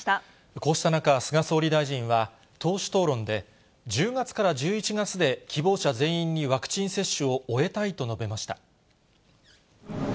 こうした中、菅総理大臣は、党首討論で、１０月から１１月で、希望者全員にワクチン接種を終えたいと述べました。